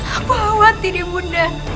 aku khawatir ibunda